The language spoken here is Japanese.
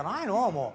もう。